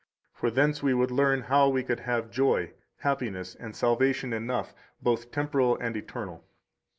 For thence we would learn how we could have joy, happiness, and salvation enough, both temporal and eternal.